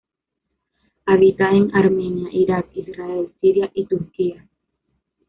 Habita en Armenia, Irak, Israel, Siria y Turquía.